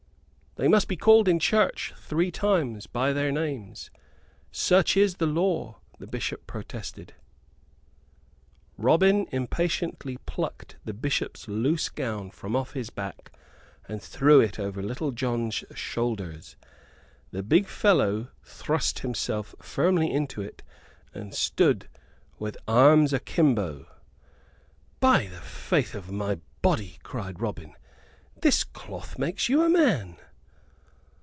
"They must be called in church three times by their names; such is the law," the Bishop protested. Robin impatiently plucked the Bishop's loose gown from off his back and threw it over Little John's shoulders. The big fellow thrust himself firmly into it and stood with arms akimbo. "By the faith o' my body," cried Robin, "this cloth makes you a man!"